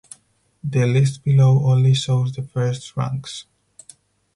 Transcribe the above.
The list below only shows the first ranks.